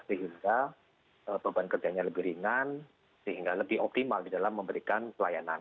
sehingga beban kerjanya lebih ringan sehingga lebih optimal di dalam memberikan pelayanan